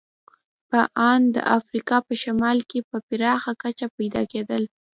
په ان د افریقا په شمال کې په پراخه کچه پیدا کېدل.